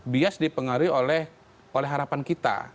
bias dipengaruhi oleh harapan kita